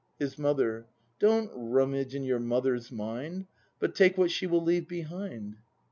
His Mother. Don't rummage in your Mother's mind, But take what she will leave behind.